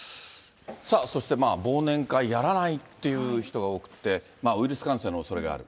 そして忘年会やらないっていう人が多くて、ウイルス感染のおそれがある。